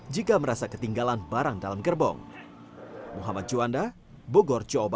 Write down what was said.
jika merasa ketinggalan barang dalam gerbong